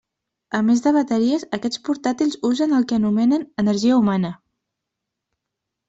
A més de bateries, aquests portàtils usen el que anomenen “energia humana”.